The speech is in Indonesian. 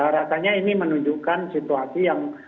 rasanya ini menunjukkan situasi yang